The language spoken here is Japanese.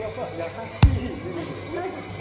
優しい湯気ですね。